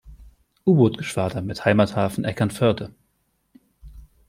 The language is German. Ubootgeschwader mit Heimathafen Eckernförde.